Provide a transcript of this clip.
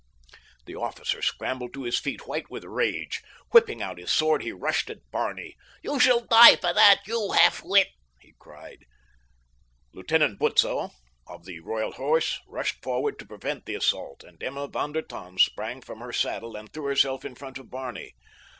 The officer scrambled to his feet, white with rage. Whipping out his sword he rushed at Barney. "You shall die for that, you half wit," he cried. Lieutenant Butzow, he of the Royal Horse, rushed forward to prevent the assault and Emma von der Tann sprang from her saddle and threw herself in front of Barney.